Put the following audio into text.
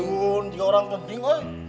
eh dong juga orang penting pak